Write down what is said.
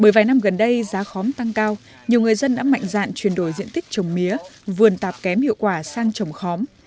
một mươi vài năm gần đây giá khóm tăng cao nhiều người dân đã mạnh dạn chuyển đổi diện tích trồng mía vườn tạp kém hiệu quả sang trồng khóm